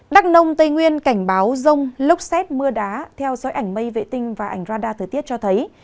đắk nông tây nguyên cảnh báo rông lốc xét mưa đá theo dõi ảnh mây vệ tinh và ảnh radar thời tiết cho thấy